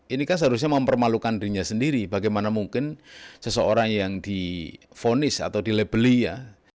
ini kan seharusnya mempermalukan dirinya sendiri bagaimana mungkin seseorang yang difonis atau dilebeli ya